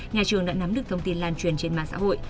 nhà trường đã nắm được thông tin lan truyền trên mạng xã hội